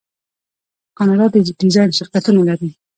کاناډا د ډیزاین شرکتونه لري.